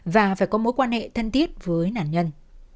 và phải có mối quan hệ thân thiết với nạn nhân